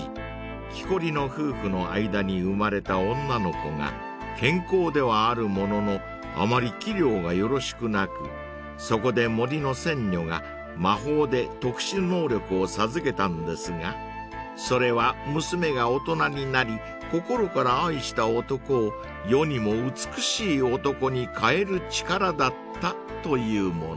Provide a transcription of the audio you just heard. ［きこりの夫婦の間に生まれた女の子が健康ではあるもののあまり器量がよろしくなくそこで森の仙女が魔法で特殊能力を授けたんですがそれは娘が大人になり心から愛した男を世にも美しい男に変える力だったというもの］